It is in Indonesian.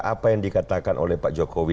apa yang dikatakan oleh pak jokowi